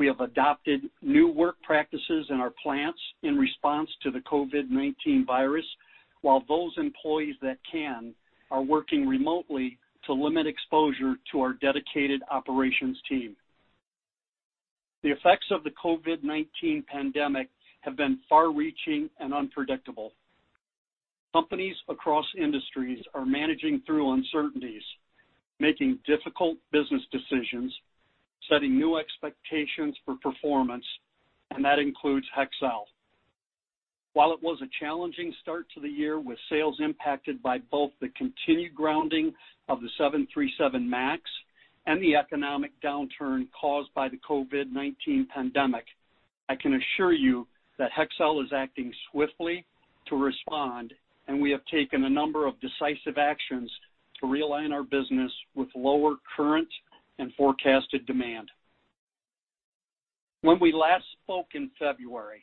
We have adopted new work practices in our plants in response to the COVID-19 virus, while those employees that can, are working remotely to limit exposure to our dedicated operations team. The effects of the COVID-19 pandemic have been far-reaching and unpredictable. Companies across industries are managing through uncertainties, making difficult business decisions, setting new expectations for performance, and that includes Hexcel. While it was a challenging start to the year with sales impacted by both the continued grounding of the 737 MAX and the economic downturn caused by the COVID-19 pandemic, I can assure you that Hexcel is acting swiftly to respond, and we have taken a number of decisive actions to realign our business with lower current and forecasted demand. When we last spoke in February,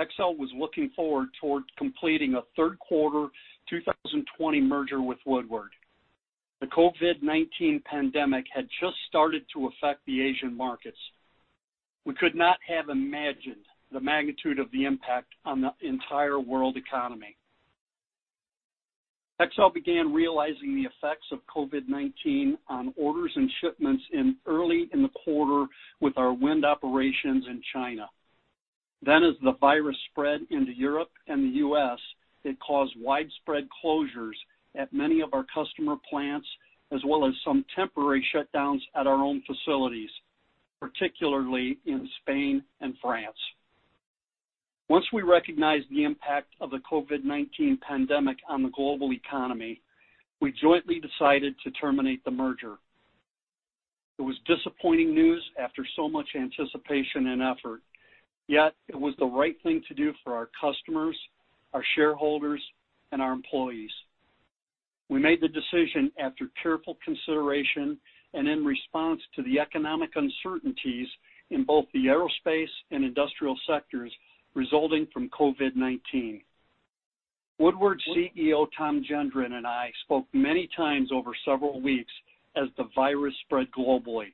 Hexcel was looking forward toward completing a third quarter 2020 merger with Woodward. The COVID-19 pandemic had just started to affect the Asian markets. We could not have imagined the magnitude of the impact on the entire world economy. Hexcel began realizing the effects of COVID-19 on orders and shipments early in the quarter with our wind operations in China. As the virus spread into Europe and the U.S., it caused widespread closures at many of our customer plants, as well as some temporary shutdowns at our own facilities, particularly in Spain and France. Once we recognized the impact of the COVID-19 pandemic on the global economy, we jointly decided to terminate the merger. It was disappointing news after so much anticipation and effort, yet it was the right thing to do for our customers, our shareholders, and our employees. We made the decision after careful consideration and in response to the economic uncertainties in both the aerospace and industrial sectors resulting from COVID-19. Woodward CEO Tom Gendron and I spoke many times over several weeks as the virus spread globally.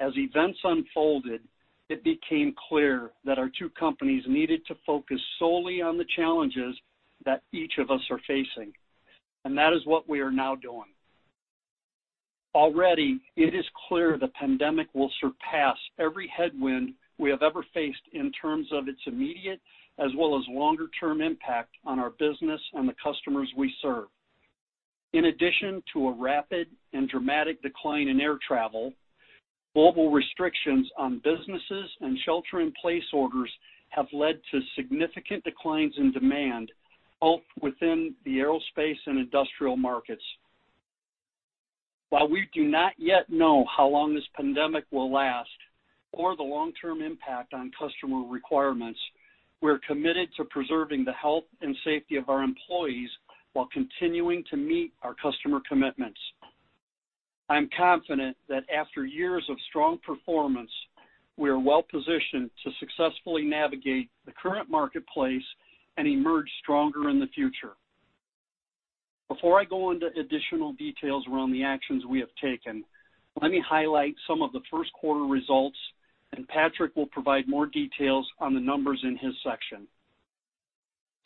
As events unfolded, it became clear that our two companies needed to focus solely on the challenges that each of us are facing, and that is what we are now doing. Already, it is clear the pandemic will surpass every headwind we have ever faced in terms of its immediate, as well as longer term impact on our business and the customers we serve. In addition to a rapid and dramatic decline in air travel, global restrictions on businesses and shelter in place orders have led to significant declines in demand, both within the aerospace and industrial markets. While we do not yet know how long this pandemic will last or the long-term impact on customer requirements, we're committed to preserving the health and safety of our employees while continuing to meet our customer commitments. I am confident that after years of strong performance, we are well-positioned to successfully navigate the current marketplace and emerge stronger in the future. Before I go into additional details around the actions we have taken, let me highlight some of the first quarter results. Patrick will provide more details on the numbers in his section.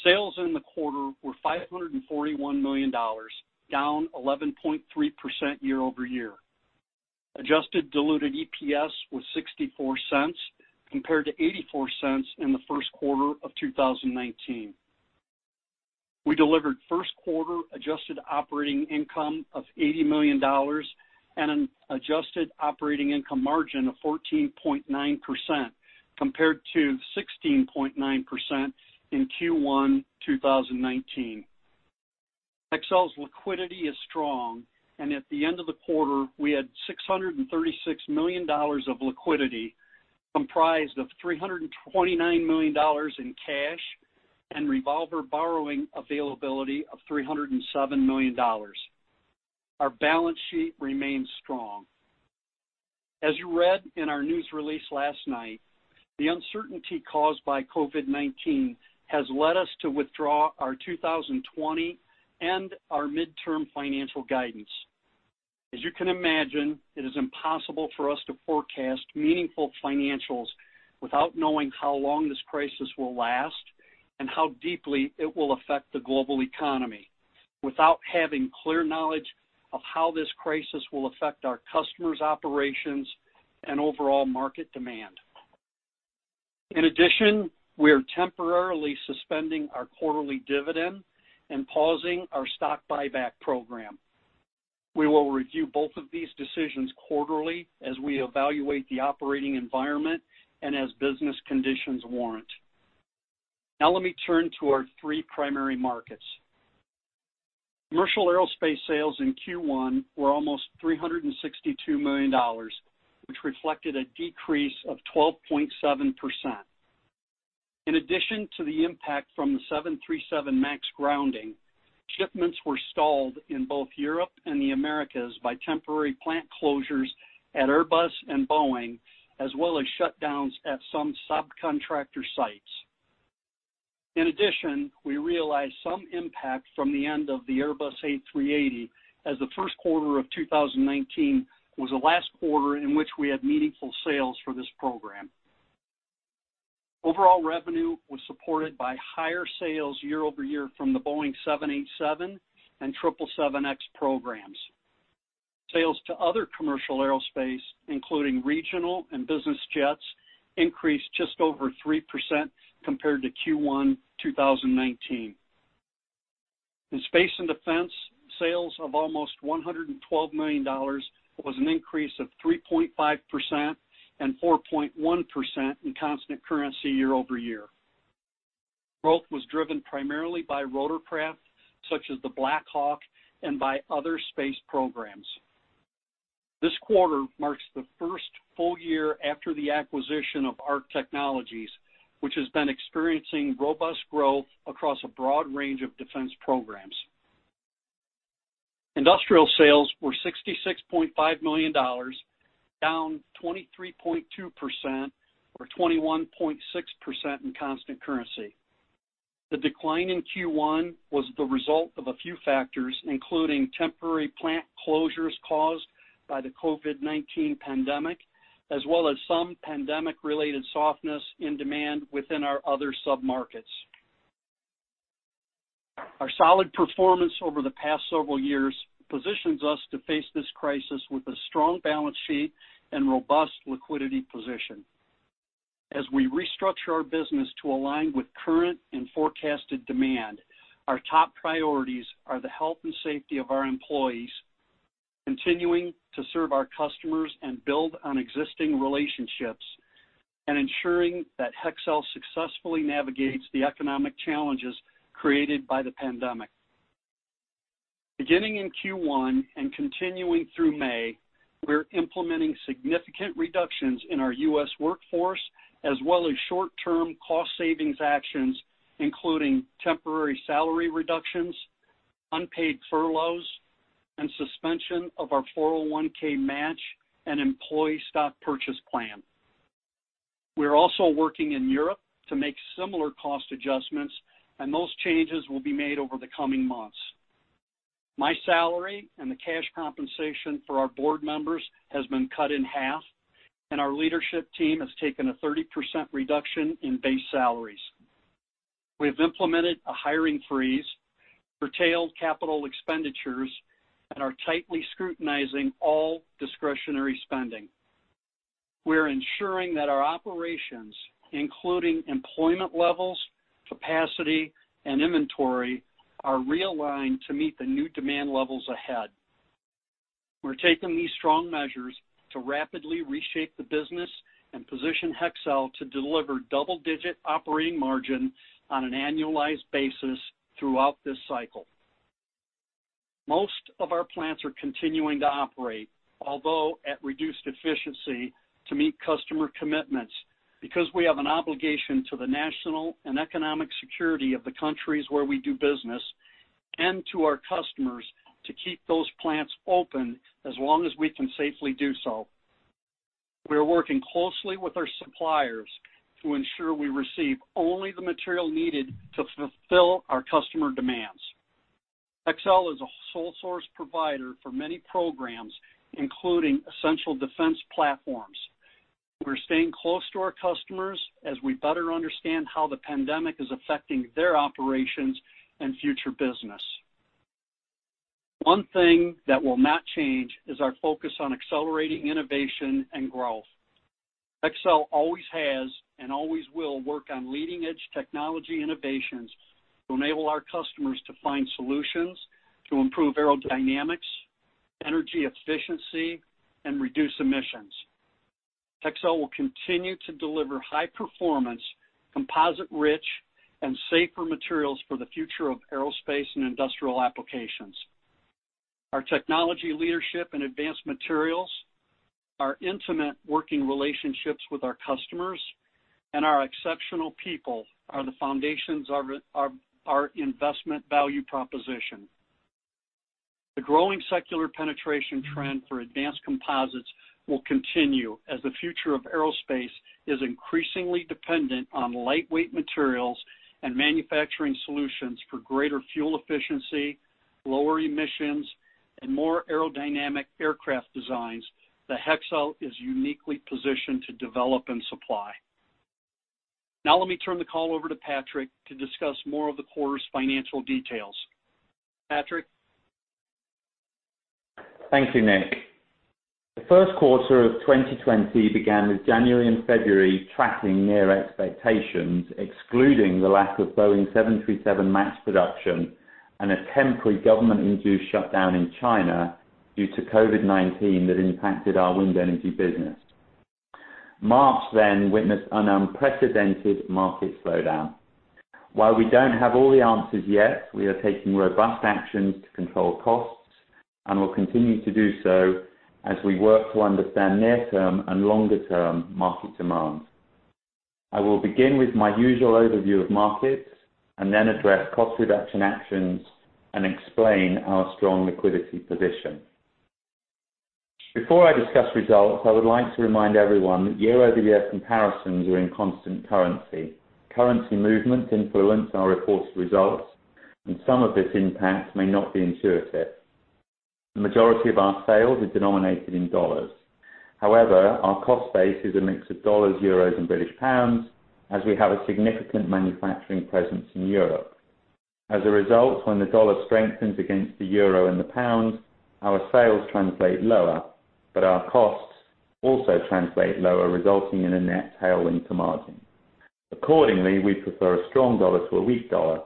Sales in the quarter were $541 million, down 11.3% year-over-year. Adjusted diluted EPS was $0.64 compared to $0.84 in the first quarter of 2019. We delivered first quarter adjusted operating income of $80 million and an adjusted operating income margin of 14.9%, compared to 16.9% in Q1 2019. Hexcel's liquidity is strong, and at the end of the quarter, we had $636 million of liquidity, comprised of $329 million in cash and revolver borrowing availability of $307 million. Our balance sheet remains strong. As you read in our news release last night, the uncertainty caused by COVID-19 has led us to withdraw our 2020 and our midterm financial guidance. As you can imagine, it is impossible for us to forecast meaningful financials without knowing how long this crisis will last and how deeply it will affect the global economy, without having clear knowledge of how this crisis will affect our customers' operations and overall market demand. In addition, we are temporarily suspending our quarterly dividend and pausing our stock buyback program. We will review both of these decisions quarterly as we evaluate the operating environment and as business conditions warrant. Let me turn to our three primary markets. Commercial aerospace sales in Q1 were almost $362 million, which reflected a decrease of 12.7%. In addition to the impact from the 737 MAX grounding, shipments were stalled in both Europe and the Americas by temporary plant closures at Airbus and Boeing, as well as shutdowns at some subcontractor sites. We realized some impact from the end of the Airbus A380 as the first quarter of 2019 was the last quarter in which we had meaningful sales for this program. Overall revenue was supported by higher sales year-over-year from the Boeing 787 and 777X programs. Sales to other commercial aerospace, including regional and business jets, increased just over 3% compared to Q1 2019. Space and defense, sales of almost $112 million was an increase of 3.5% and 4.1% in constant currency year-over-year. Growth was driven primarily by rotorcraft, such as the Black Hawk, and by other space programs. This quarter marks the first full year after the acquisition of ARC Technologies, which has been experiencing robust growth across a broad range of defense programs. Industrial sales were $66.5 million, down 23.2%, or 21.6% in constant currency. The decline in Q1 was the result of a few factors, including temporary plant closures caused by the COVID-19 pandemic, as well as some pandemic-related softness in demand within our other sub-markets. Our solid performance over the past several years positions us to face this crisis with a strong balance sheet and robust liquidity position. As we restructure our business to align with current and forecasted demand, our top priorities are the health and safety of our employees, continuing to serve our customers and build on existing relationships, and ensuring that Hexcel successfully navigates the economic challenges created by the pandemic. Beginning in Q1 and continuing through May, we're implementing significant reductions in our U.S. workforce, as well as short-term cost savings actions, including temporary salary reductions, unpaid furloughs, and suspension of our 401(k) match and employee stock purchase plan. We are also working in Europe to make similar cost adjustments, and those changes will be made over the coming months. My salary and the cash compensation for our board members has been cut in half, and our leadership team has taken a 30% reduction in base salaries. We have implemented a hiring freeze, curtailed capital expenditures, and are tightly scrutinizing all discretionary spending. We are ensuring that our operations, including employment levels, capacity, and inventory, are realigned to meet the new demand levels ahead. We're taking these strong measures to rapidly reshape the business and position Hexcel to deliver double-digit operating margin on an annualized basis throughout this cycle. Most of our plants are continuing to operate, although at reduced efficiency, to meet customer commitments because we have an obligation to the national and economic security of the countries where we do business and to our customers to keep those plants open as long as we can safely do so. We are working closely with our suppliers to ensure we receive only the material needed to fulfill our customer demands. Hexcel is a sole source provider for many programs, including essential defense platforms. We're staying close to our customers as we better understand how the pandemic is affecting their operations and future business. One thing that will not change is our focus on accelerating innovation and growth. Hexcel always has and always will work on leading-edge technology innovations to enable our customers to find solutions to improve aerodynamics, energy efficiency, and reduce emissions. Hexcel will continue to deliver high performance, composite-rich, and safer materials for the future of aerospace and industrial applications. Our technology leadership in advanced materials, our intimate working relationships with our customers, and our exceptional people are the foundations of our investment value proposition. The growing secular penetration trend for advanced composites will continue, as the future of aerospace is increasingly dependent on lightweight materials and manufacturing solutions for greater fuel efficiency, lower emissions, and more aerodynamic aircraft designs that Hexcel is uniquely positioned to develop and supply. Let me turn the call over to Patrick to discuss more of the quarter's financial details. Patrick? Thank you, Nick. The first quarter of 2020 began with January and February tracking near expectations, excluding the lack of Boeing 737 MAX production and a temporary government-induced shutdown in China due to COVID-19 that impacted our wind energy business. March witnessed an unprecedented market slowdown. While we don't have all the answers yet, we are taking robust actions to control costs, and will continue to do so as we work to understand near-term and longer-term market demand. I will begin with my usual overview of markets and then address cost reduction actions and explain our strong liquidity position. Before I discuss results, I would like to remind everyone that year-over-year comparisons are in constant currency. Currency movements influence our reported results, and some of this impact may not be intuitive. The majority of our sales are denominated in dollars. Our cost base is a mix of dollars, euros, and British pounds, as we have a significant manufacturing presence in Europe. When the dollar strengthens against the euro and the pound, our sales translate lower, but our costs also translate lower, resulting in a net tailwind to margin. We prefer a strong dollar to a weak dollar.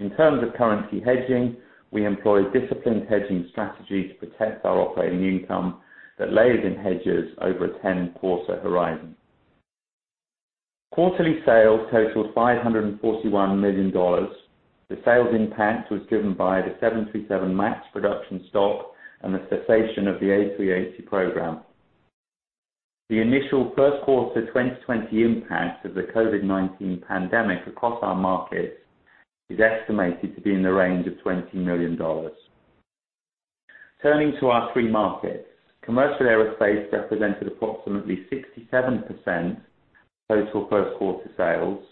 In terms of currency hedging, we employ a disciplined hedging strategy to protect our operating income that layers in hedges over a 10-quarter horizon. Quarterly sales totaled $541 million. The sales impact was driven by the 737 MAX production stop and the cessation of the A380 program. The initial first quarter 2020 impact of the COVID-19 pandemic across our markets is estimated to be in the range of $20 million. Turning to our three markets, commercial aerospace represented approximately 67% of total first quarter sales.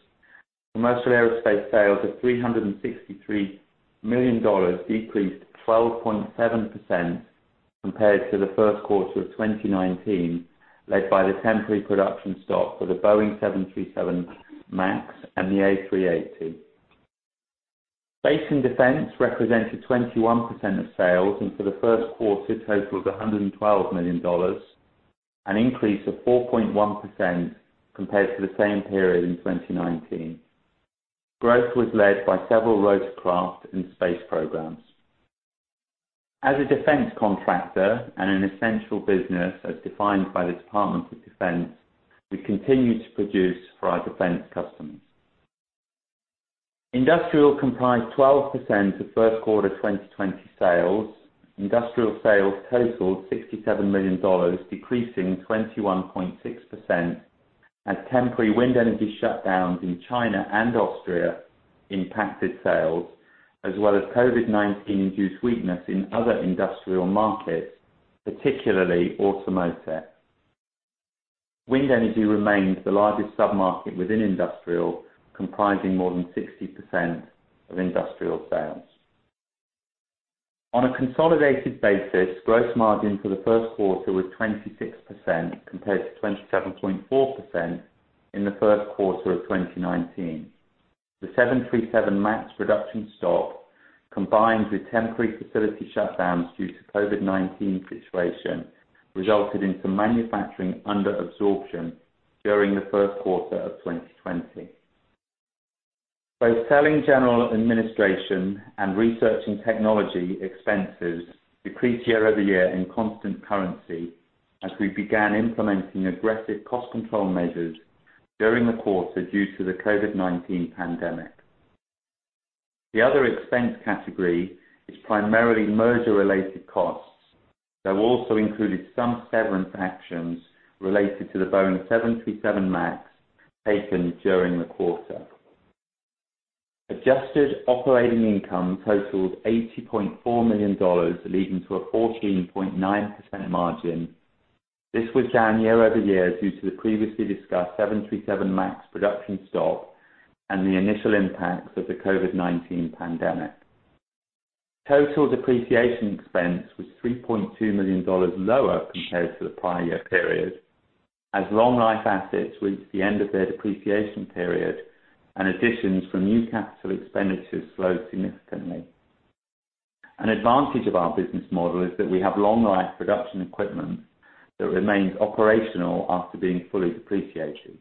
Commercial aerospace sales of $363 million decreased 12.7% compared to the first quarter of 2019, led by the temporary production stop for the Boeing 737 MAX and the A380. Space and defense represented 21% of sales, and for the first quarter totaled $112 million, an increase of 4.1% compared to the same period in 2019. Growth was led by several rotorcraft and space programs. As a defense contractor and an essential business as defined by the Department of Defense, we continue to produce for our defense customers. industrial comprised 12% of first quarter 2020 sales. industrial sales totaled $67 million, decreasing 21.6% as temporary wind energy shutdowns in China and Austria impacted sales, as well as COVID-19-induced weakness in other industrial markets, particularly automotive. Wind energy remains the largest sub-market within industrial, comprising more than 60% of industrial sales. On a consolidated basis, gross margin for the first quarter was 26% compared to 27.4% in the first quarter of 2019. The 737 MAX production stop, combined with temporary facility shutdowns due to COVID-19 situation, resulted in some manufacturing under absorption during the first quarter of 2020. Both selling, general & administrative and research and technology expenses decreased year-over-year in constant currency as we began implementing aggressive cost control measures during the quarter due to the COVID-19 pandemic. The other expense category is primarily merger-related costs, though also included some severance actions related to the Boeing 737 MAX taken during the quarter. Adjusted operating income totaled $80.4 million, leading to a 14.9% margin. This was down year-over-year due to the previously discussed 737 MAX production stop and the initial impacts of the COVID-19 pandemic. Total depreciation expense was $3.2 million lower compared to the prior year period, as long life assets reached the end of their depreciation period and additions from new capital expenditures slowed significantly. An advantage of our business model is that we have long life production equipment that remains operational after being fully depreciated.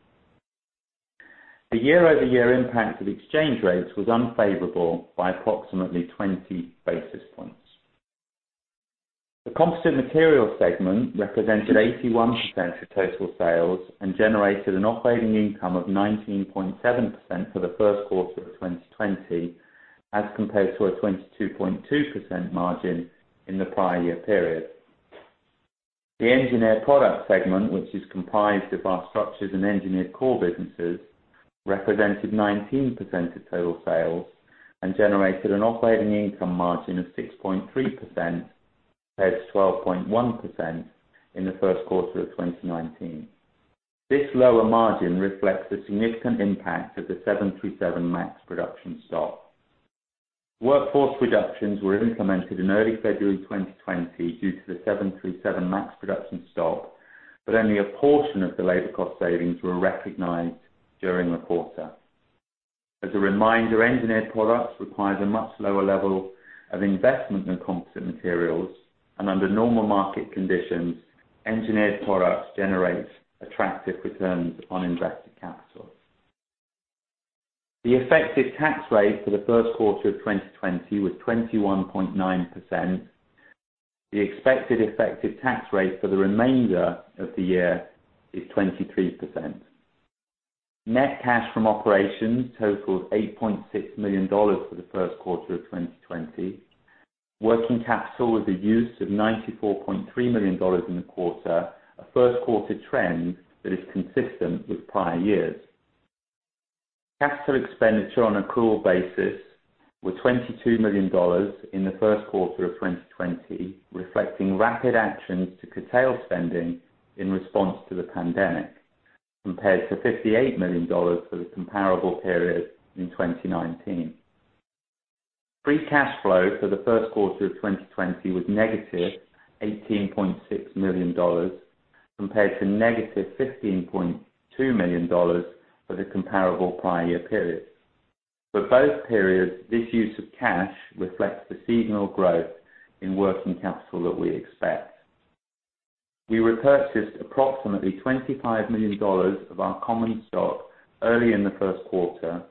The year-over-year impact of exchange rates was unfavorable by approximately 20 basis points. The Composite Materials segment represented 81% of total sales and generated an operating income of 19.7% for the first quarter of 2020 as compared to a 22.2% margin in the prior year period. The Engineered Products segment, which is comprised of our structures and engineered core businesses, represented 19% of total sales and generated an operating income margin of 6.3% compared to 12.1% in the first quarter of 2019. This lower margin reflects the significant impact of the 737 MAX production stop. Workforce reductions were implemented in early February 2020 due to the 737 MAX production stop, but only a portion of the labor cost savings were recognized during the quarter. As a reminder, Engineered Products requires a much lower level of investment than Composite Materials, and under normal market conditions, Engineered Products generates attractive returns on invested capital. The effective tax rate for the first quarter of 2020 was 21.9%. The expected effective tax rate for the remainder of the year is 23%. Net cash from operations totaled $8.6 million for the first quarter of 2020. Working capital was a use of $94.3 million in the quarter, a first quarter trend that is consistent with prior years. Cash flow expenditure on a core basis was $22 million in the first quarter of 2020, reflecting rapid actions to curtail spending in response to the pandemic, compared to $58 million for the comparable period in 2019. Free cash flow for the first quarter of 2020 was negative $18.6 million, compared to negative $15.2 million for the comparable prior year period. For both periods, this use of cash reflects the seasonal growth in working capital that we expect. We repurchased approximately $25 million of our common stock early in the first quarter,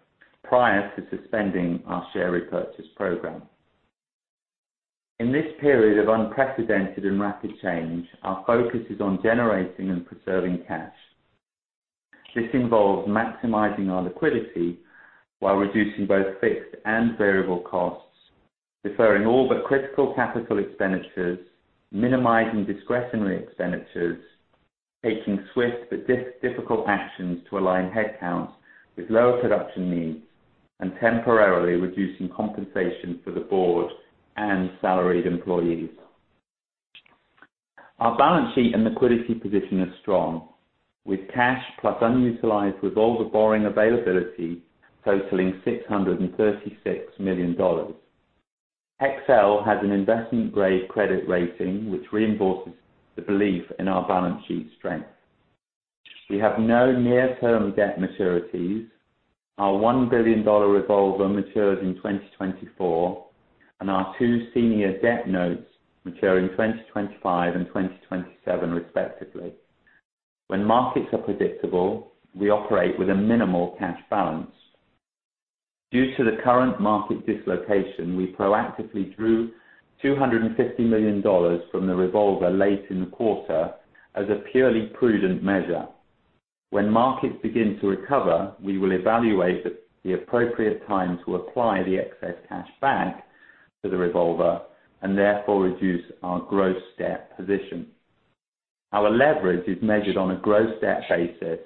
prior to suspending our share repurchase program. In this period of unprecedented and rapid change, our focus is on generating and preserving cash. This involves maximizing our liquidity while reducing both fixed and variable costs, deferring all but critical capital expenditures, minimizing discretionary expenditures, taking swift but difficult actions to align headcounts with lower production needs, and temporarily reducing compensation for the board and salaried employees. Our balance sheet and liquidity position is strong. With cash plus unutilized revolver borrowing availability totaling $636 million. Hexcel has an investment-grade credit rating, which reinforces the belief in our balance sheet strength. We have no near-term debt maturities. Our $1 billion revolver matures in 2024, and our two senior debt notes mature in 2025 and 2027, respectively. When markets are predictable, we operate with a minimal cash balance. Due to the current market dislocation, we proactively drew $250 million from the revolver late in the quarter as a purely prudent measure. When markets begin to recover, we will evaluate the appropriate time to apply the excess cash back to the revolver and therefore reduce our gross debt position. Our leverage is measured on a gross debt basis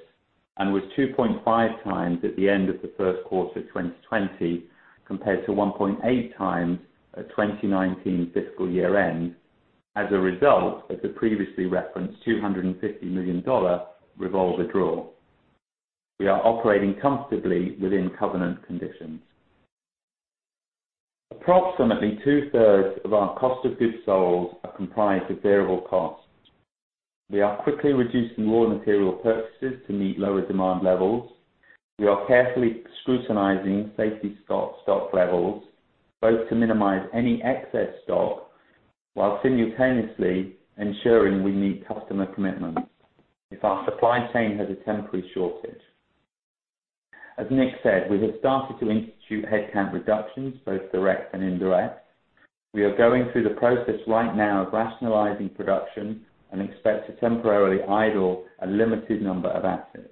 and was 2.5x at the end of the first quarter 2020 compared to 1.8x at 2019 fiscal year-end as a result of the previously referenced $250 million revolver draw. We are operating comfortably within covenant conditions. Approximately 2/3 of our cost of goods sold are comprised of variable costs. We are quickly reducing raw material purchases to meet lower demand levels. We are carefully scrutinizing safety stock levels, both to minimize any excess stock while simultaneously ensuring we meet customer commitments if our supply chain has a temporary shortage. As Nick said, we have started to institute headcount reductions, both direct and indirect. We are going through the process right now of rationalizing production and expect to temporarily idle a limited number of assets.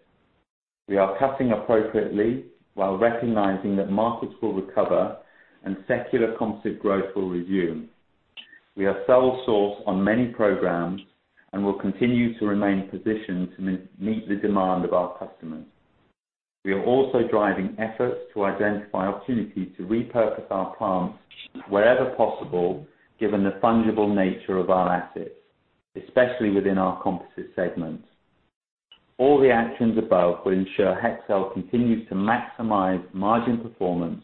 We are cutting appropriately while recognizing that markets will recover and secular composite growth will resume. We are sole source on many programs and will continue to remain positioned to meet the demand of our customers. We are also driving efforts to identify opportunities to repurpose our plants wherever possible, given the fungible nature of our assets, especially within our composite segments. All the actions above will ensure Hexcel continues to maximize margin performance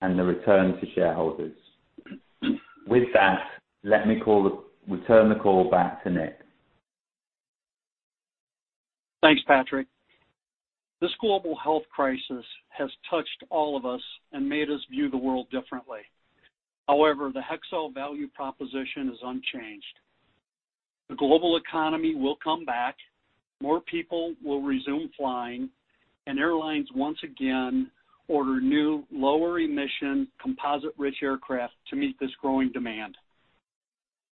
and the return to shareholders. With that, we turn the call back to Nick. Thanks, Patrick. This global health crisis has touched all of us and made us view the world differently. However, the Hexcel value proposition is unchanged. The global economy will come back, more people will resume flying, and airlines once again order new lower-emission composite-rich aircraft to meet this growing demand.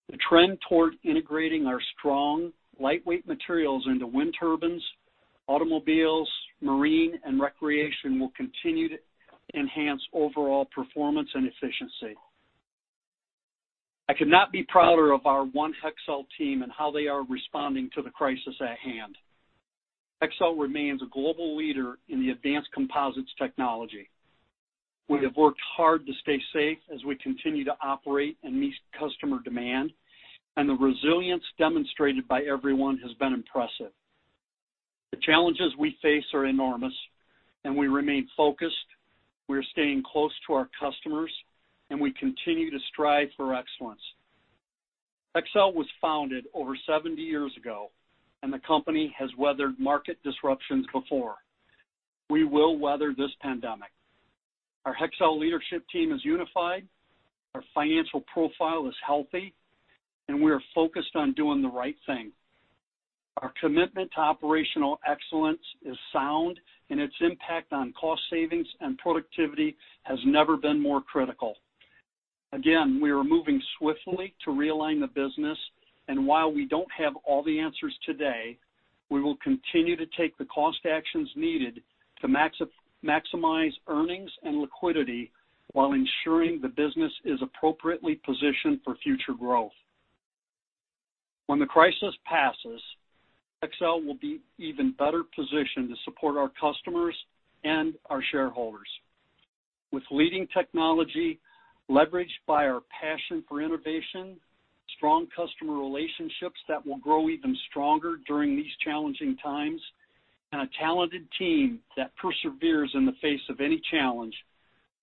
The trend toward integrating our strong lightweight materials into wind turbines, automobiles, marine, and recreation will continue to enhance overall performance and efficiency. I could not be prouder of our one Hexcel team and how they are responding to the crisis at hand. Hexcel remains a global leader in the advanced composites technology. We have worked hard to stay safe as we continue to operate and meet customer demand, and the resilience demonstrated by everyone has been impressive. The challenges we face are enormous, and we remain focused, we are staying close to our customers, and we continue to strive for excellence. Hexcel was founded over 70 years ago, and the company has weathered market disruptions before. We will weather this pandemic. Our Hexcel leadership team is unified, our financial profile is healthy, and we are focused on doing the right thing. Our commitment to operational excellence is sound, and its impact on cost savings and productivity has never been more critical. Again, we are moving swiftly to realign the business, and while we don't have all the answers today, we will continue to take the cost actions needed to maximize earnings and liquidity while ensuring the business is appropriately positioned for future growth. When the crisis passes, Hexcel will be even better positioned to support our customers and our shareholders. With leading technology leveraged by our passion for innovation, strong customer relationships that will grow even stronger during these challenging times, and a talented team that perseveres in the face of any challenge,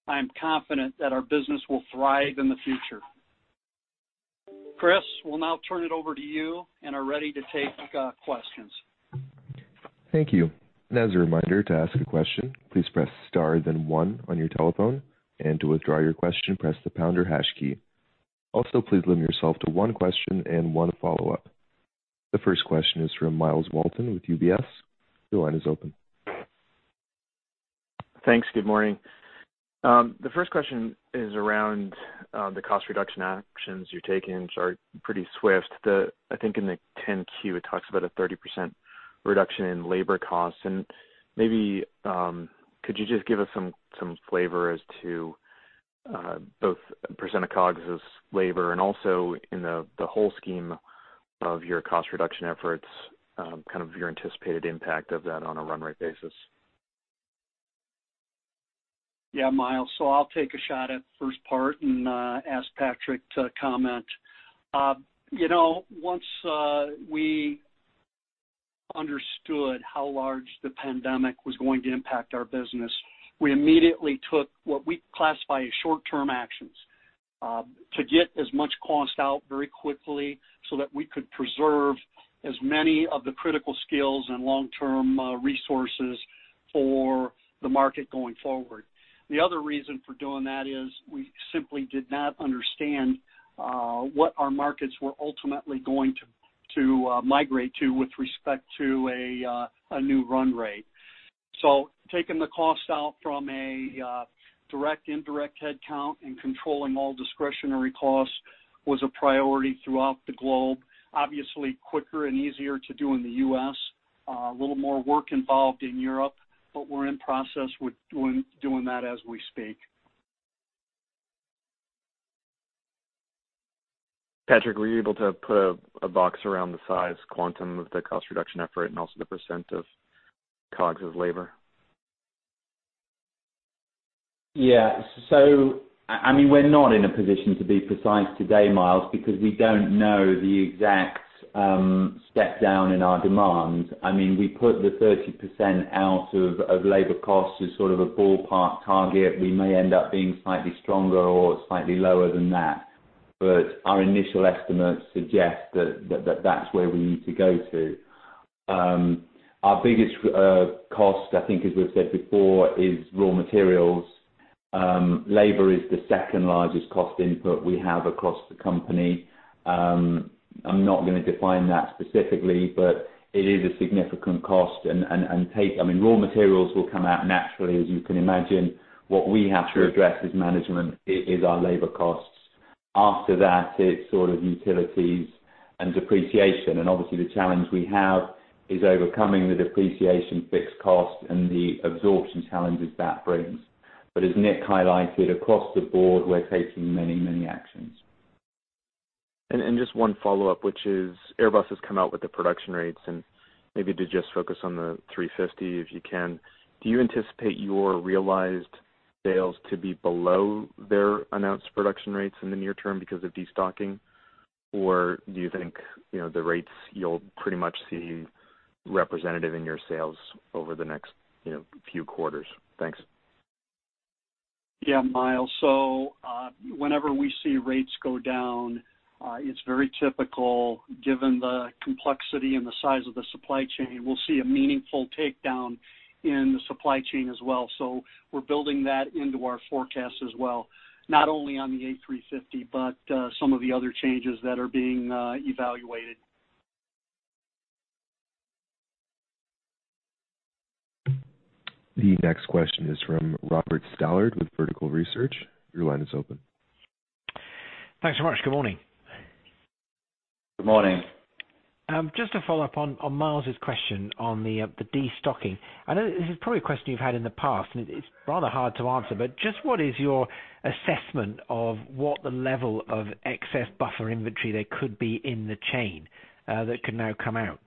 I am confident that our business will thrive in the future. Chris, we'll now turn it over to you and are ready to take questions. Thank you. As a reminder, to ask a question, please press star then one on your telephone, and to withdraw your question, press the pound or hash key. Also, please limit yourself to one question and one follow-up. The first question is from Myles Walton with UBS. Your line is open. Thanks. Good morning. The first question is around the cost reduction actions you're taking, which are pretty swift. I think in the 10-Q, it talks about a 30% reduction in labor costs. Maybe could you just give us some flavor as to both percentage of COGS as labor, and also in the whole scheme of your cost reduction efforts, your anticipated impact of that on a run rate basis? Yeah, Myles. I'll take a shot at the first part and ask Patrick to comment. Once we understood how large the pandemic was going to impact our business, we immediately took what we classify as short-term actions to get as much cost out very quickly so that we could preserve as many of the critical skills and long-term resources for the market going forward. The other reason for doing that is we simply did not understand what our markets were ultimately going to migrate to with respect to a new run rate. Taking the cost out from a direct/indirect headcount and controlling all discretionary costs was a priority throughout the globe. Obviously, quicker and easier to do in the U.S. A little more work involved in Europe, but we're in process with doing that as we speak. Patrick, were you able to put a box around the size quantum of the cost reduction effort and also the percent of COGS of labor? Yeah. We're not in a position to be precise today, Myles, because we don't know the exact step down in our demand. We put the 30% out of labor costs as sort of a ballpark target. We may end up being slightly stronger or slightly lower than that, our initial estimates suggest that's where we need to go to. Our biggest cost, I think as we've said before, is raw materials. Labor is the second largest cost input we have across the company. I'm not going to define that specifically, but it is a significant cost. Raw materials will come out naturally, as you can imagine. What we have to address as management is our labor costs. After that, it's utilities and depreciation. Obviously the challenge we have is overcoming the depreciation fixed cost and the absorption challenges that brings. As Nick highlighted, across the board, we're taking many actions. Just one follow-up, which is Airbus has come out with the production rates and maybe to just focus on the 350, if you can. Do you anticipate your realized sales to be below their announced production rates in the near term because of destocking? Or do you think the rates you'll pretty much see representative in your sales over the next few quarters? Thanks. Myles. Whenever we see rates go down, it's very typical given the complexity and the size of the supply chain, we'll see a meaningful takedown in the supply chain as well. We're building that into our forecast as well, not only on the A350, but some of the other changes that are being evaluated. The next question is from Robert Stallard with Vertical Research. Your line is open. Thanks so much. Good morning. Good morning. Just to follow up on Myles's question on the destocking. I know this is probably a question you've had in the past, and it's rather hard to answer, but just what is your assessment of what the level of excess buffer inventory there could be in the chain that could now come out?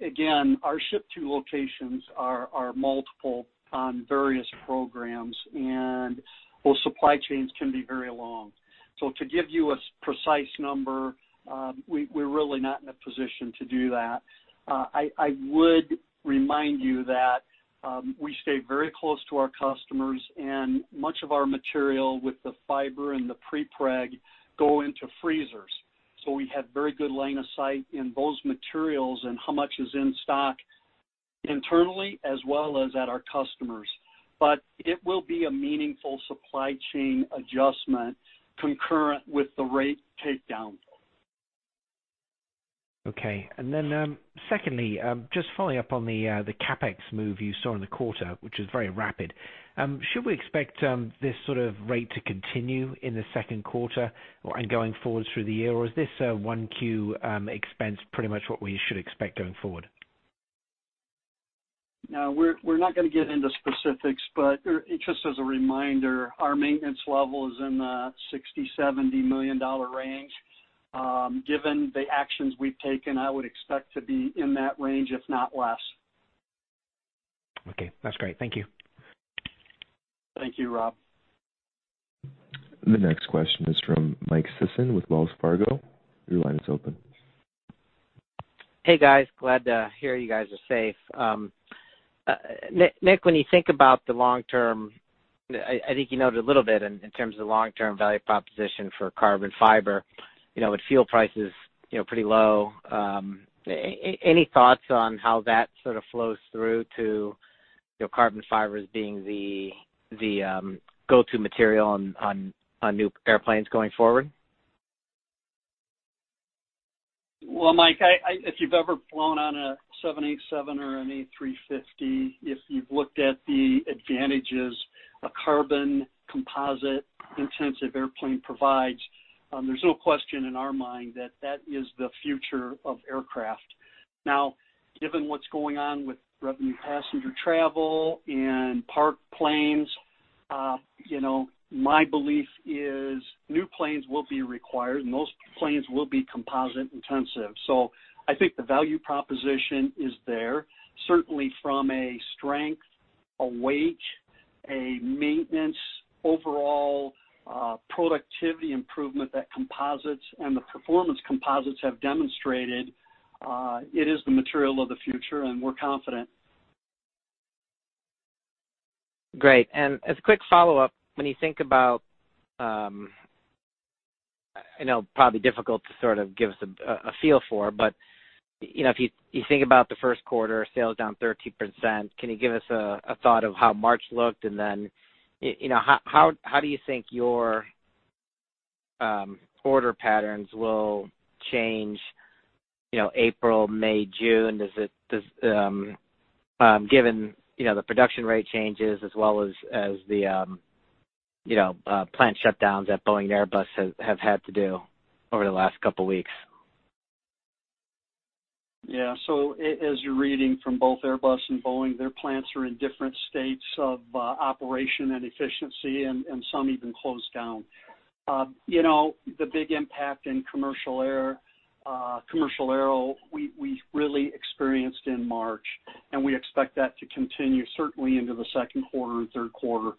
Again, our ship to locations are multiple on various programs, and those supply chains can be very long. To give you a precise number, we're really not in a position to do that. I would remind you that we stay very close to our customers, and much of our material with the fiber and the prepreg go into freezers. We have very good line of sight in those materials and how much is in stock internally, as well as at our customers. It will be a meaningful supply chain adjustment concurrent with the rate takedown. Okay. Secondly, just following up on the CapEx move you saw in the quarter, which was very rapid. Should we expect this sort of rate to continue in the second quarter or going forward through the year? Is this 1Q expense pretty much what we should expect going forward? We're not going to get into specifics, but just as a reminder, our maintenance level is in the $60 million-$70 million range. Given the actions we've taken, I would expect to be in that range, if not less. Okay. That's great. Thank you. Thank you, Rob. The next question is from Michael Sison with Wells Fargo. Your line is open. Hey, guys. Glad to hear you guys are safe. Nick, when you think about the long term, I think you noted a little bit in terms of the long-term value proposition for carbon fiber, with fuel prices pretty low, any thoughts on how that sort of flows through to carbon fibers being the go-to material on new airplanes going forward? Well, Mike, if you've ever flown on a 787 or an A350, if you've looked at the advantages a carbon composite-intensive airplane provides, there's no question in our mind that that is the future of aircraft. Given what's going on with revenue passenger travel and parked planes, my belief is new planes will be required, and those planes will be composite intensive. I think the value proposition is there, certainly from a strength, a weight, a maintenance, overall productivity improvement that composites and the performance composites have demonstrated. It is the material of the future, and we're confident. Great. As a quick follow-up, when you think about, I know probably difficult to sort of give us a feel for, if you think about the first quarter, sales down 13%, can you give us a thought of how March looked, then how do you think your order patterns will change April, May, June, given the production rate changes as well as the plant shutdowns that Boeing and Airbus have had to do over the last couple of weeks? Yeah. As you're reading from both Airbus and Boeing, their plants are in different states of operation and efficiency, and some even closed down. The big impact in commercial aero, we really experienced in March, we expect that to continue certainly into the second quarter and third quarter.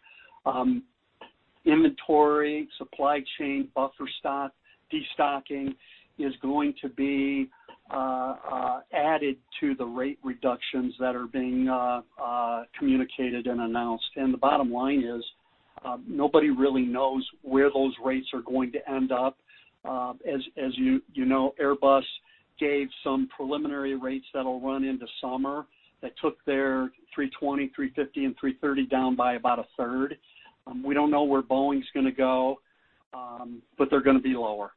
Inventory, supply chain, buffer stock, destocking is going to be added to the rate reductions that are being communicated and announced. The bottom line is, nobody really knows where those rates are going to end up. As you know Airbus gave some preliminary rates that'll run into summer that took their 320, 350, and 330 down by about a third. We don't know where Boeing's going to go. They're going to be lower.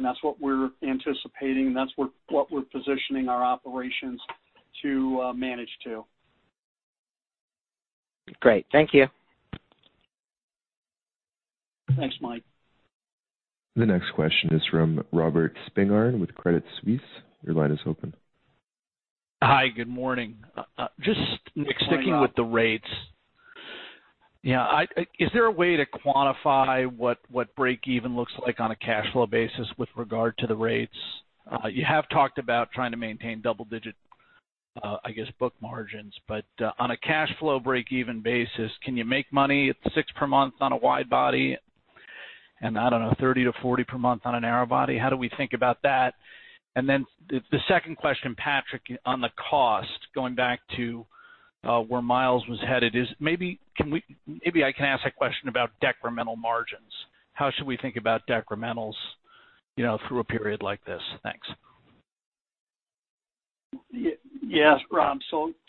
That's what we're anticipating, and that's what we're positioning our operations to manage to. Great. Thank you. Thanks, Mike. The next question is from Robert Spingarn with Credit Suisse. Your line is open. Hi, good morning. Good morning, Rob. Just sticking with the rates. Is there a way to quantify what breakeven looks like on a cash flow basis with regard to the rates? You have talked about trying to maintain double-digit, I guess, book margins. On a cash flow breakeven basis, can you make money at six per month on a wide body? I don't know, 30-40 per month on a narrow body? How do we think about that? The second question, Patrick, on the cost, going back to where Myles was headed is, maybe I can ask that question about decremental margins. How should we think about decrementals through a period like this? Thanks. Yeah, Rob.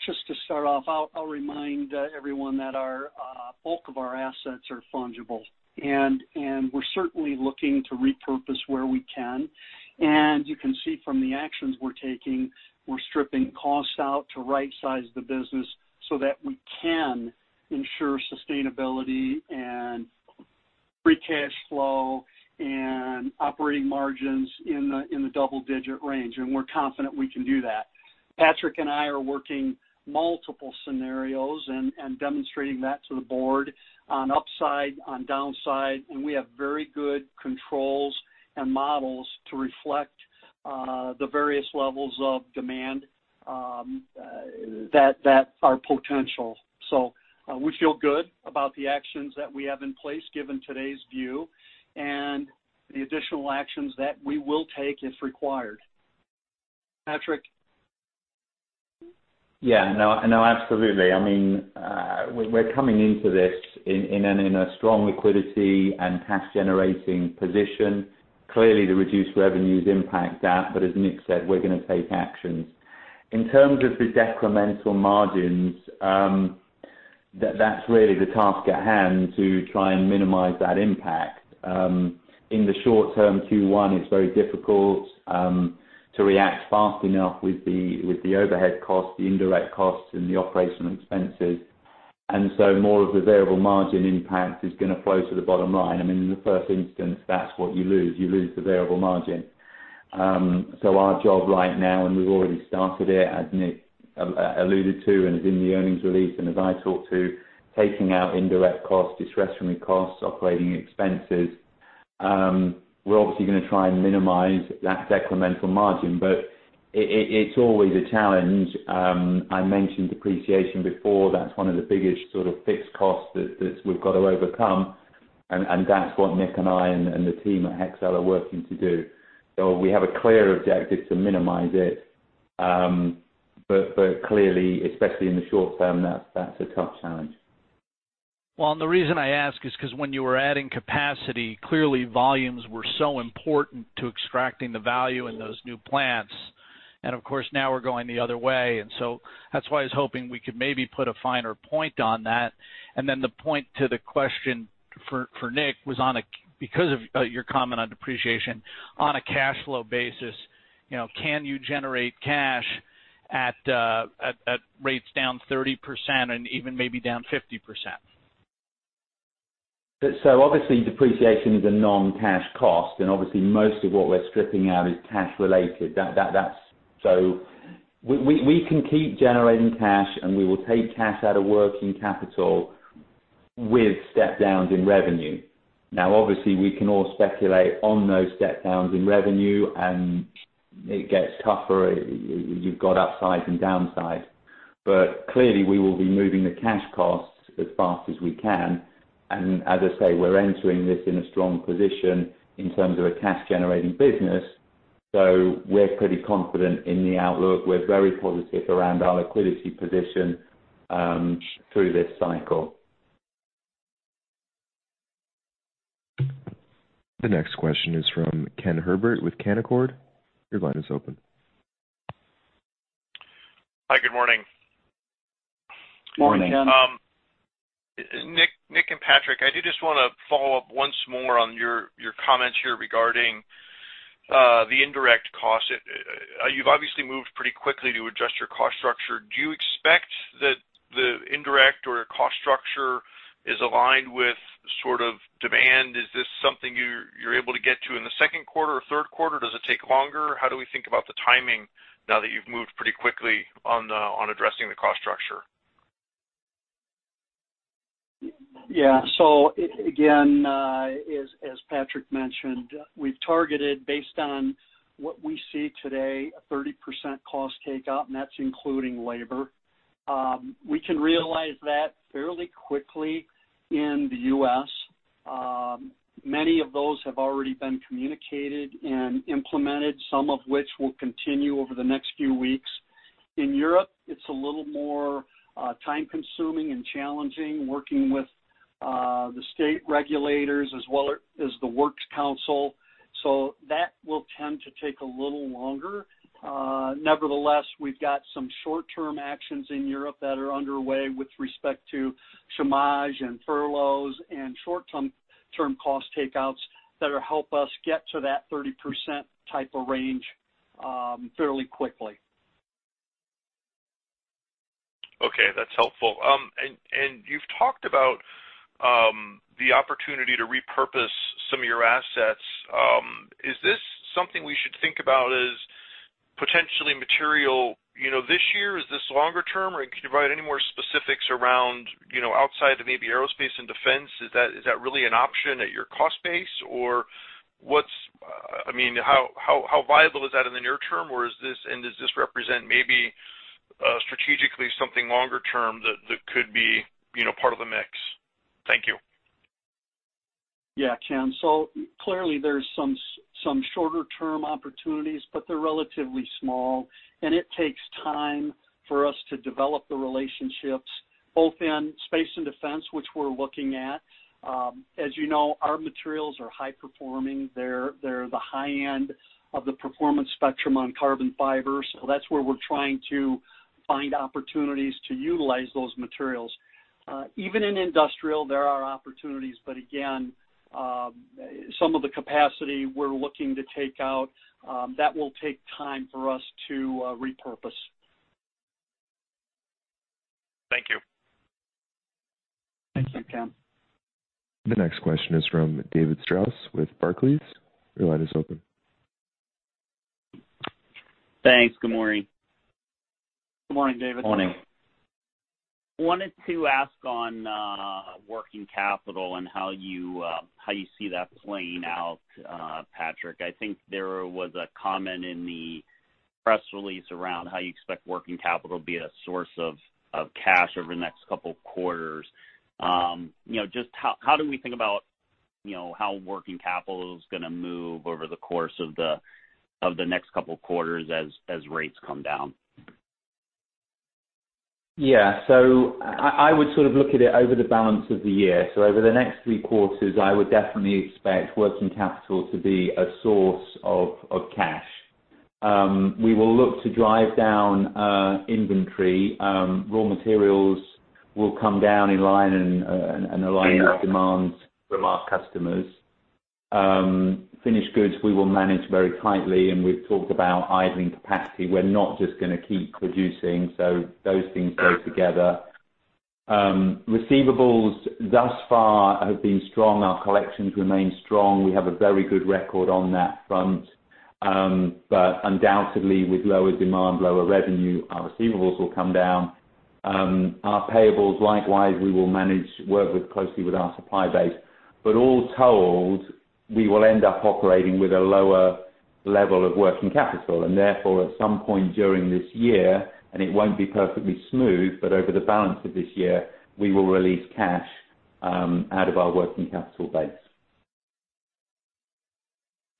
Just to start off, I'll remind everyone that our bulk of our assets are fungible. We're certainly looking to repurpose where we can. You can see from the actions we're taking, we're stripping costs out to rightsize the business so that we can ensure sustainability and free cash flow and operating margins in the double-digit range. We're confident we can do that. Patrick and I are working multiple scenarios and demonstrating that to the board on upside, on downside, and we have very good controls and models to reflect the various levels of demand that are potential. We feel good about the actions that we have in place given today's view and the additional actions that we will take if required. Patrick? Yeah, no, absolutely. We're coming into this in a strong liquidity and cash-generating position. Clearly, the reduced revenues impact that. As Nick said, we're going to take actions. In terms of the decremental margins, that's really the task at hand to try and minimize that impact. In the short term, Q1, it's very difficult to react fast enough with the overhead costs, the indirect costs, and the operational expenses. More of the variable margin impact is going to flow to the bottom line. In the first instance, that's what you lose, you lose the variable margin. Our job right now, and we've already started it, as Nick alluded to and is in the earnings release and as I talked to, taking out indirect costs, discretionary costs, operating expenses. We're obviously going to try and minimize that decremental margin, but it's always a challenge. I mentioned depreciation before. That's one of the biggest fixed costs that we've got to overcome, and that's what Nick and I and the team at Hexcel are working to do. We have a clear objective to minimize it. Clearly, especially in the short term, that's a tough challenge. Well, the reason I ask is because when you were adding capacity, clearly volumes were so important to extracting the value in those new plants. Of course, now we're going the other way. That's why I was hoping we could maybe put a finer point on that. Then the point to the question for Nick was on, because of your comment on depreciation, on a cash flow basis, can you generate cash at rates down 30% and even maybe down 50%? Obviously depreciation is a non-cash cost, and obviously most of what we're stripping out is cash related. We can keep generating cash, and we will take cash out of working capital with step downs in revenue. Obviously, we can all speculate on those step downs in revenue, and it gets tougher. You've got upside and downside. Clearly we will be moving the cash costs as fast as we can. As I say, we're entering this in a strong position in terms of a cash-generating business. We're pretty confident in the outlook. We're very positive around our liquidity position through this cycle. The next question is from Ken Herbert with Canaccord. Your line is open. Hi, good morning. Good morning, Ken. Nick and Patrick, I do just want to follow up once more on your comments here regarding the indirect costs. You've obviously moved pretty quickly to adjust your cost structure. Do you expect that the indirect or cost structure is aligned with sort of demand? Is this something you're able to get to in the second quarter or third quarter? Does it take longer? How do we think about the timing now that you've moved pretty quickly on addressing the cost structure? Again, as Patrick mentioned, we've targeted based on what we see today, a 30% cost takeout, and that's including labor. We can realize that fairly quickly in the U.S. Many of those have already been communicated and implemented, some of which will continue over the next few weeks. In Europe, it's a little more time-consuming and challenging working with the state regulators as well as the Works Council. That will tend to take a little longer. Nevertheless, we've got some short-term actions in Europe that are underway with respect to chômage and furloughs and short-term cost takeouts that will help us get to that 30% type of range fairly quickly. Okay, that's helpful. You've talked about the opportunity to repurpose some of your assets. Is this something we should think about as potentially material this year? Is this longer term? Can you provide any more specifics around outside of maybe aerospace and defense? Is that really an option at your cost base? How viable is that in the near term? Does this represent maybe strategically something longer term that could be part of the mix? Thank you. Yeah, Ken. Clearly there's some shorter-term opportunities, but they're relatively small, and it takes time for us to develop the relationships, both in space and defense, which we're looking at. As you know, our materials are high performing. They're the high end of the performance spectrum on carbon fiber. That's where we're trying to find opportunities to utilize those materials. Even in industrial, there are opportunities, but again, some of the capacity we're looking to take out, that will take time for us to repurpose. Thank you. Thank you, Ken. The next question is from David Strauss with Barclays. Your line is open. Thanks. Good morning. Good morning, David. Morning. wanted to ask on working capital and how you see that playing out, Patrick? I think there was a comment in the press release around how you expect working capital to be a source of cash over the next couple quarters. Just how do we think about how working capital is going to move over the course of the next couple quarters as rates come down? Yeah. I would sort of look at it over the balance of the year. Over the next three quarters, I would definitely expect working capital to be a source of cash. We will look to drive down inventory. Raw materials will come down in line and align with demands from our customers. Finished goods, we will manage very tightly, and we've talked about idling capacity. We're not just going to keep producing, so those things go together. Receivables thus far have been strong. Our collections remain strong. We have a very good record on that front. Undoubtedly, with lower demand, lower revenue, our receivables will come down. Our payables, likewise, we will manage, work closely with our supply base. All told, we will end up operating with a lower level of working capital and therefore at some point during this year, and it won't be perfectly smooth, but over the balance of this year, we will release cash out of our working capital base.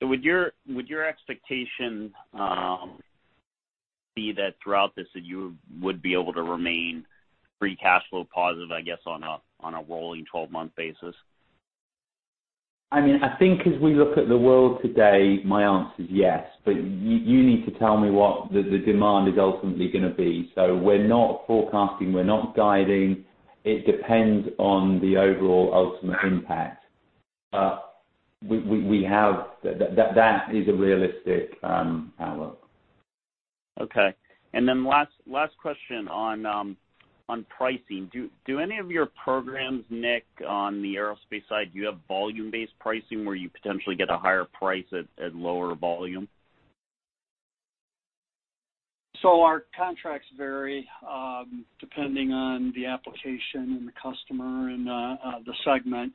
Would your expectation be that throughout this that you would be able to remain free cash flow positive, I guess, on a rolling 12-month basis? I think as we look at the world today, my answer is yes. You need to tell me what the demand is ultimately going to be. We're not forecasting, we're not guiding. It depends on the overall ultimate impact. That is a realistic outlook. Okay. Last question on pricing. Do any of your programs, Nick, on the aerospace side, do you have volume-based pricing where you potentially get a higher price at lower volume? Our contracts vary, depending on the application and the customer and the segment.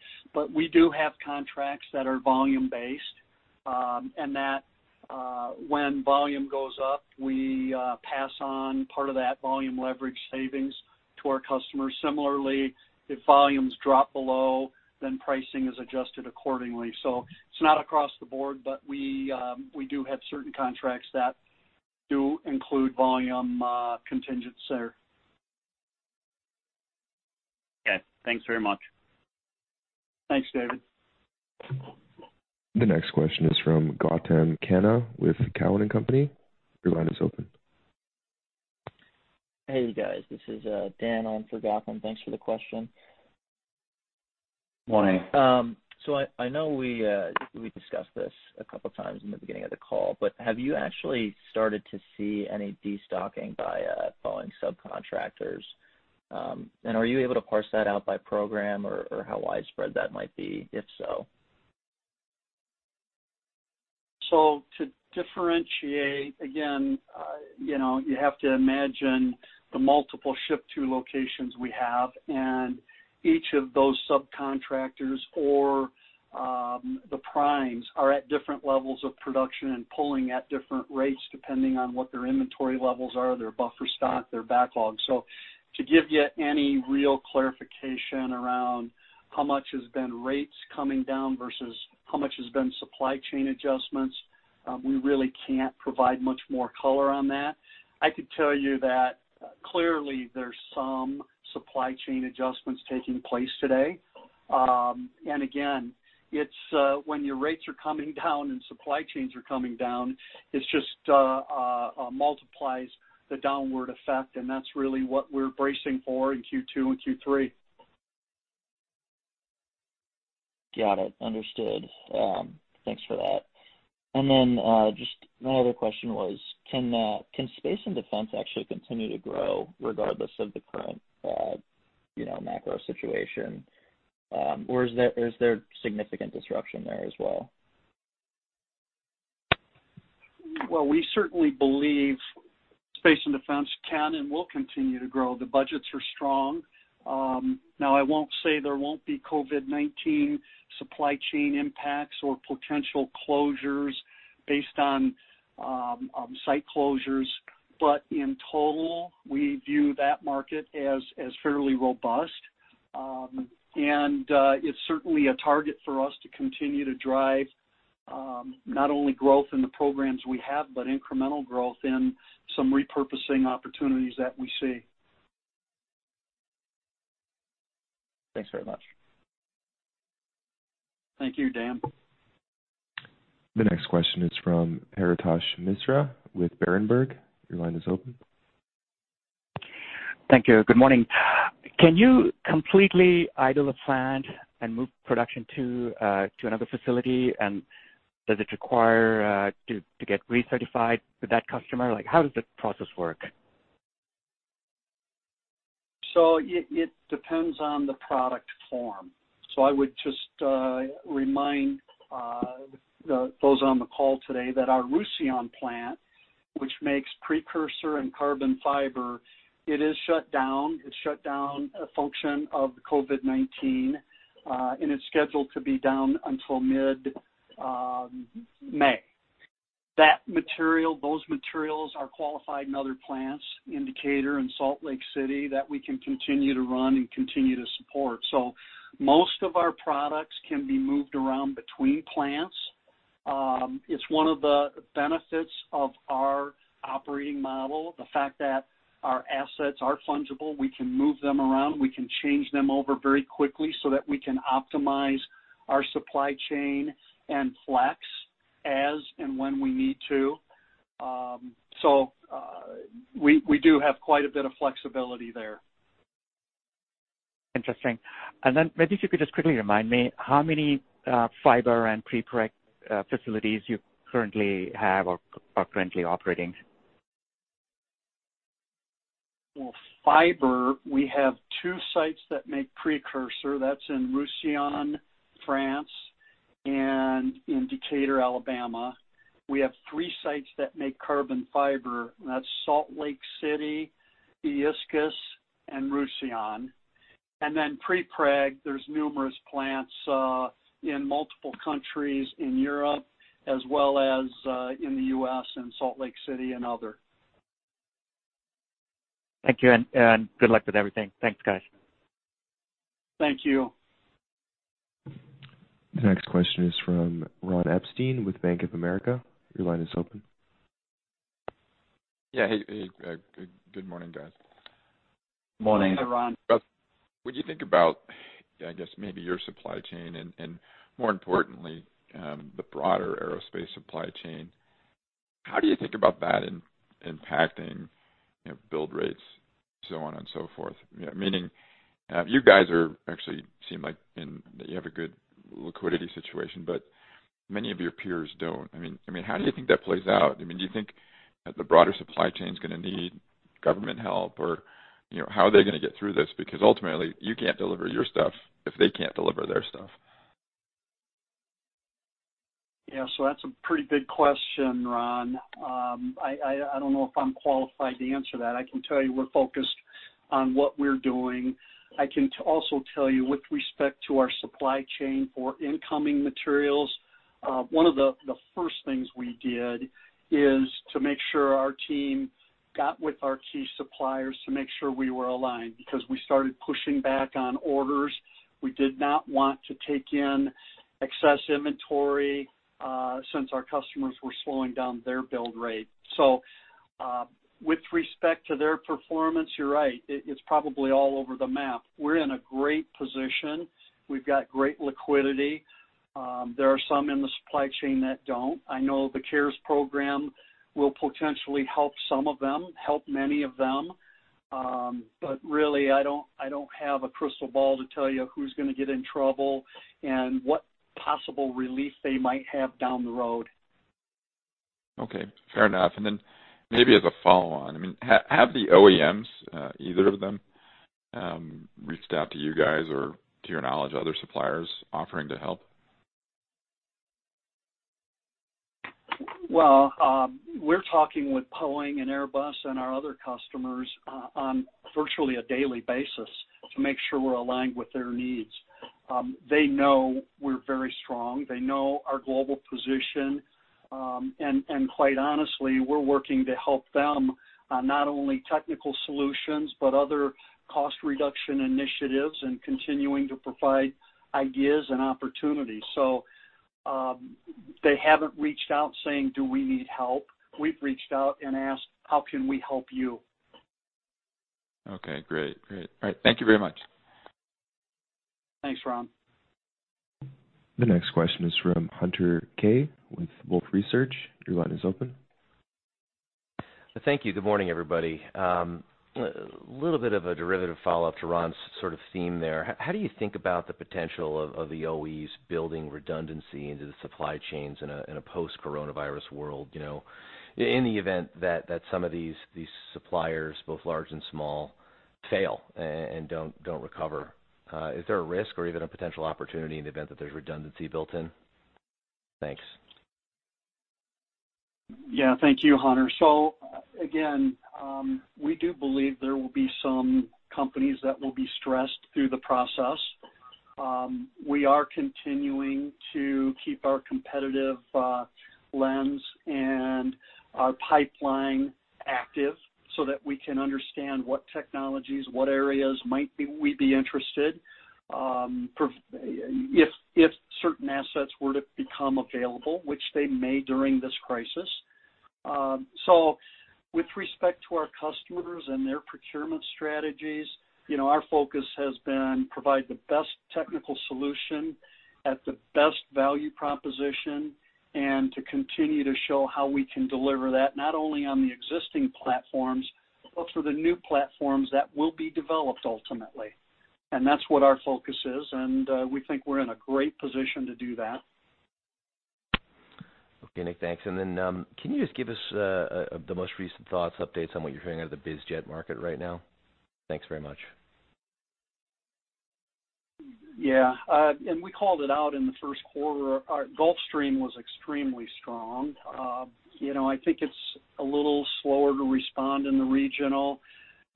We do have contracts that are volume-based, and that when volume goes up, we pass on part of that volume leverage savings to our customers. Similarly, if volumes drop below, then pricing is adjusted accordingly. It's not across the board, but we do have certain contracts that do include volume contingent incentive. Okay. Thanks very much. Thanks, David. The next question is from Gautam Khanna with Cowen and Company. Your line is open. Hey, you guys. This is Dan on for Gautam. Thanks for the question. Morning. I know we discussed this a couple times in the beginning of the call, but have you actually started to see any destocking by following subcontractors? Are you able to parse that out by program or how widespread that might be, if so? To differentiate, again, you have to imagine the multiple ship-to locations we have, and each of those subcontractors or the primes are at different levels of production and pulling at different rates depending on what their inventory levels are, their buffer stock, their backlog. To give you any real clarification around how much has been rates coming down versus how much has been supply chain adjustments, we really can't provide much more color on that. I could tell you that clearly there's some supply chain adjustments taking place today. Again, when your rates are coming down and supply chains are coming down, it just multiplies the downward effect, and that's really what we're bracing for in Q2 and Q3. Got it. Understood. Thanks for that. Then just my other question was, can space and defense actually continue to grow regardless of the current macro situation? Or is there significant disruption there as well? Well, we certainly believe space and defense can and will continue to grow. The budgets are strong. I won't say there won't be COVID-19 supply chain impacts or potential closures based on site closures. In total, we view that market as fairly robust. It's certainly a target for us to continue to drive, not only growth in the programs we have, but incremental growth and some repurposing opportunities that we see. Thanks very much. Thank you, Dan. The next question is from Paretosh Misra with Berenberg. Your line is open. Thank you. Good morning. Can you completely idle a plant and move production to another facility, and does it require to get recertified with that customer? How does the process work? It depends on the product form. I would just remind those on the call today that our Roussillon plant, which makes precursor and carbon fiber, it is shut down. It shut down a function of the COVID-19, and it's scheduled to be down until mid-May. Those materials are qualified in other plants in Decatur and Salt Lake City that we can continue to run and continue to support. Most of our products can be moved around between plants. It's one of the benefits of our operating model, the fact that our assets are fungible, we can move them around, we can change them over very quickly so that we can optimize our supply chain and flex as and when we need to. We do have quite a bit of flexibility there. Interesting. Maybe if you could just quickly remind me how many fiber and prepreg facilities you currently have or are currently operating? Well, fiber, we have two sites that make precursor. That is in Roussillon, France, and in Decatur, Alabama. We have three sites that make carbon fiber, and that is Salt Lake City, Illescas, and Roussillon. Prepreg, there is numerous plants in multiple countries in Europe as well as in the U.S. in Salt Lake City and other. Thank you, and good luck with everything. Thanks, guys. Thank you. The next question is from Ron Epstein with Bank of America. Your line is open. Yeah. Hey. Good morning, guys. Morning. Hi, Ron. When you think about, I guess maybe your supply chain and more importantly, the broader aerospace supply chain, how do you think about that impacting build rates, so on and so forth? You guys are actually seem like that you have a good liquidity situation, but many of your peers don't. How do you think that plays out? Do you think that the broader supply chain's going to need government help or how are they going to get through this? Ultimately you can't deliver your stuff if they can't deliver their stuff. Yeah. That's a pretty big question, Ron. I don't know if I'm qualified to answer that. I can also tell you with respect to our supply chain for incoming materials, one of the first things we did is to make sure our team got with our key suppliers to make sure we were aligned because we started pushing back on orders. We did not want to take in excess inventory, since our customers were slowing down their build rate. With respect to their performance, you're right. It's probably all over the map. We're in a great position. We've got great liquidity. There are some in the supply chain that don't. I know the CARES Act will potentially help some of them, help many of them. Really, I don't have a crystal ball to tell you who's going to get in trouble and what possible relief they might have down the road. Okay. Fair enough. Maybe as a follow-on, have the OEMs, either of them, reached out to you guys or to your knowledge, other suppliers offering to help? Well, we're talking with Boeing and Airbus and our other customers on virtually a daily basis to make sure we're aligned with their needs. They know we're very strong. They know our global position. Quite honestly, we're working to help them on not only technical solutions, but other cost reduction initiatives and continuing to provide ideas and opportunities. They haven't reached out saying, "Do we need help?" We've reached out and asked, "How can we help you? Okay, great. All right. Thank you very much. Thanks, Ron. The next question is from Hunter Keay with Wolfe Research. Your line is open. Thank you. Good morning, everybody. A little bit of a derivative follow-up to Ron's sort of theme there. How do you think about the potential of the OEs building redundancy into the supply chains in a post-coronavirus world in the event that some of these suppliers, both large and small, fail, and don't recover? Is there a risk or even a potential opportunity in the event that there's redundancy built in? Thanks. Yeah, thank you, Hunter. Again, we do believe there will be some companies that will be stressed through the process. We are continuing to keep our competitive lens and our pipeline active so that we can understand what technologies, what areas might we be interested, if certain assets were to become available, which they may during this crisis. With respect to our customers and their procurement strategies, our focus has been provide the best technical solution at the best value proposition, and to continue to show how we can deliver that, not only on the existing platforms, but for the new platforms that will be developed ultimately. That's what our focus is, and we think we're in a great position to do that. Okay, Nick. Thanks. Can you just give us the most recent thoughts, updates on what you're hearing out of the biz jet market right now? Thanks very much. Yeah. We called it out in the first quarter. Our Gulfstream was extremely strong. I think it's a little slower to respond in the regional.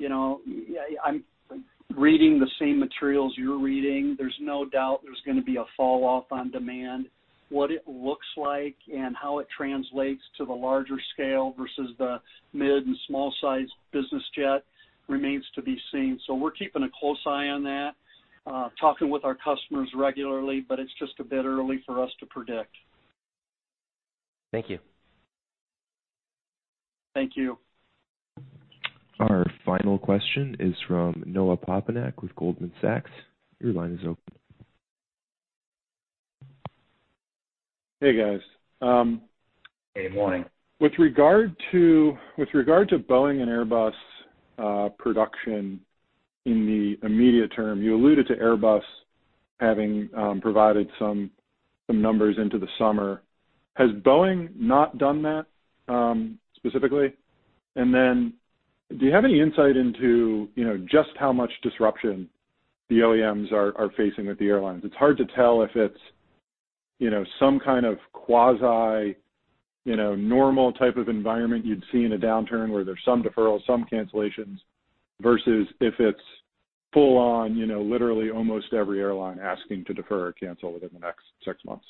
I'm reading the same materials you're reading. There's no doubt there's going to be a fall off on demand. What it looks like and how it translates to the larger scale versus the mid and small size business jet remains to be seen. We're keeping a close eye on that. Talking with our customers regularly, but it's just a bit early for us to predict. Thank you. Thank you. Our final question is from Noah Poponak with Goldman Sachs. Your line is open. Hey, guys. Hey, morning. With regard to Boeing and Airbus production in the immediate term, you alluded to Airbus having provided some numbers into the summer. Has Boeing not done that, specifically? Do you have any insight into just how much disruption the OEMs are facing with the airlines? It's hard to tell if it's some kind of quasi-normal type of environment you'd see in a downturn where there's some deferrals, some cancellations, versus if it's full on, literally almost every airline asking to defer or cancel within the next six months.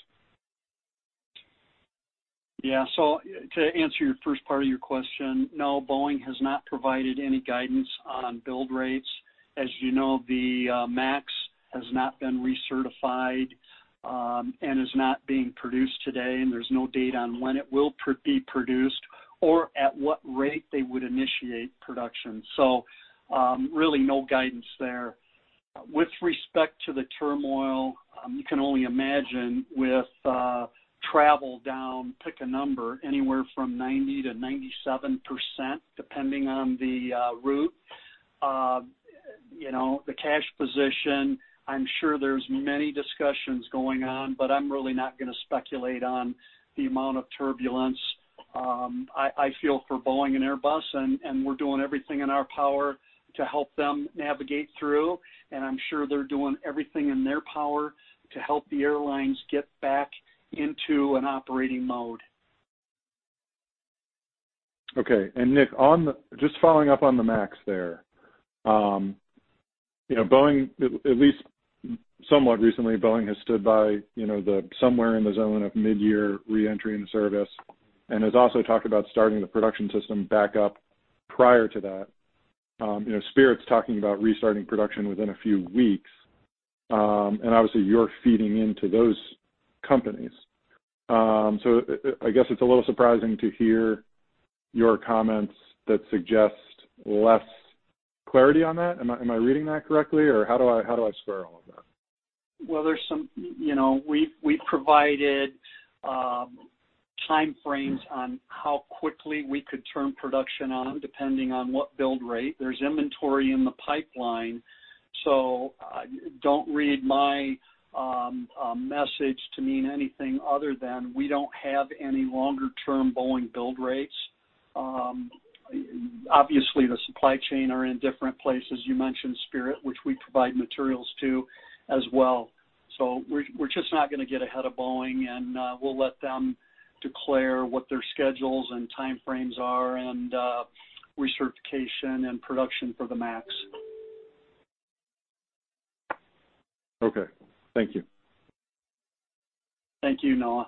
Yeah. To answer your first part of your question, no, Boeing has not provided any guidance on build rates. As you know, the MAX has not been recertified, and is not being produced today, and there's no date on when it will be produced or at what rate they would initiate production. Really no guidance there. With respect to the turmoil, you can only imagine with travel down, pick a number, anywhere from 90%-97%, depending on the route. The cash position, I'm sure there's many discussions going on, but I'm really not going to speculate on the amount of turbulence I feel for Boeing and Airbus, and we're doing everything in our power to help them navigate through. I'm sure they're doing everything in their power to help the airlines get back into an operating mode. Okay. Nick, just following up on the MAX there. At least somewhat recently, Boeing has stood by the somewhere in the zone of midyear re-entry into service, and has also talked about starting the production system back up prior to that. Spirit's talking about restarting production within a few weeks. Obviously you're feeding into those companies. I guess it's a little surprising to hear your comments that suggest less clarity on that. Am I reading that correctly, or how do I square all of that? We provided time frames on how quickly we could turn production on, depending on what build rate. There's inventory in the pipeline, don't read my message to mean anything other than we don't have any longer-term Boeing build rates. Obviously, the supply chain are in different places. You mentioned Spirit, which we provide materials to as well. We're just not going to get ahead of Boeing, and we'll let them declare what their schedules and time frames are, and recertification and production for the MAX. Okay. Thank you. Thank you, Noah.